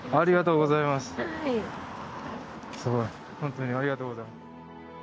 すごい本当にありがとうございます。